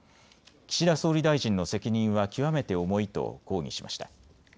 岸田総理大臣の責任は極めて重いと抗議しました。